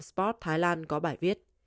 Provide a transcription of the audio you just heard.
sport thailand có bài viết